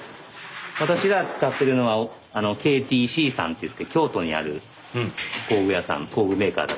私ら使ってるのはＫＴＣさんっていって京都にある工具屋さん工具メーカー。